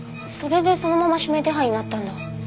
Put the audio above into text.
それでそのまま指名手配になったんだ。